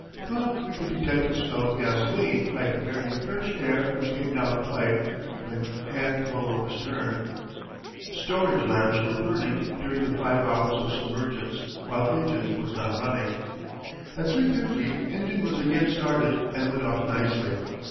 Thought we could detect a smell of gasoline by comparing the fresh air which came down the pipe (when hand blower was turned). Storage lamps were burning during the five hours of submergence, while engine was not running. At 3.50 engine was again started, and went off nicely.